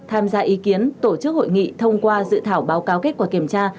tham gia ý kiến tổ chức hội nghị thông qua dự thảo báo cáo kết quả kiểm tra